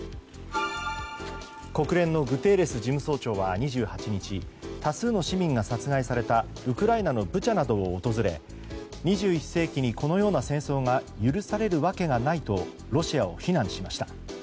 国連のグテーレス事務総長は２８日多数の市民が殺害されたウクライナのブチャなどを訪れ２１世紀にこのような戦争が許されるわけがないとロシアを非難しました。